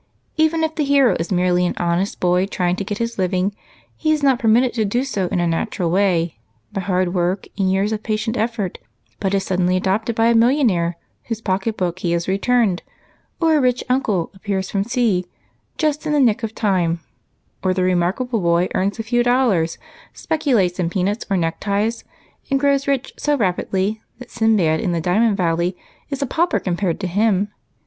Even if the hero is merely an honest boy trying to get his living, he is not permitted to do so in a natural way, by hard woi'k and years of patient effort, but is suddenly adopted by a millionaire whose pocket book he has returned; or a rich uncle appears from sea, just in the nick of time ; or the remarkable boy earns a few dollars, speculates in pea nuts or neckties, and grows rich so rapidly that Sinbad in the diamond val ley is a pauper compared to him.